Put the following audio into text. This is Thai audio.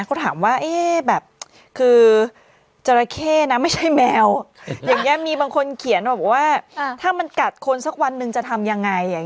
ประสบประทับเจ้ามีคนถามว่าถ้ามันกัดคนสักวันนึงจะทำยังไง